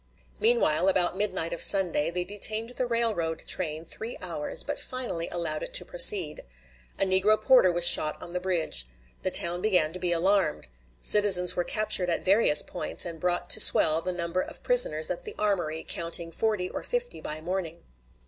Meanwhile, about midnight of Sunday, they detained the railroad train three hours, but finally allowed it to proceed. A negro porter was shot on the bridge. The town began to be alarmed. Citizens were captured at various points, and brought to swell the number of prisoners at the armory, counting forty or fifty by morning.